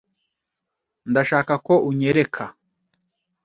Ndashaka ko unyereka.